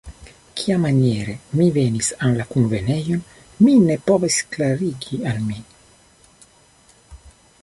Kiamaniere mi venis en la kunvenejon, mi ne povis klarigi al mi.